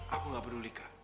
aku gak peduli kak